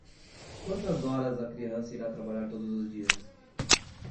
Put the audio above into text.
Quantas horas a criança irá trabalhar todos os dias?